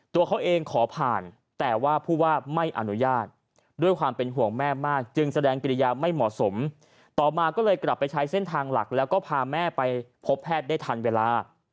ตัวเขาเองขอผ่านแต่ว่าผู้ว่าไม่อนุญาตด้วยความเป็นห่วงแม่มากจึงแสดงกิริยาไม่เหมาะสมต่อมาก็เลยกลับไปใช้เส้นทางหลักแล้วก็พาแม่ไปพบแพทย์ได้ทันเวลา